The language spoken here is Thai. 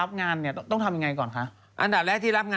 อันนี้ผมถามคุณผ่านรับครับ